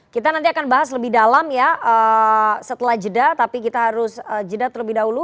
kita nanti akan bahas lebih dalam ya setelah jeda tapi kita harus jeda terlebih dahulu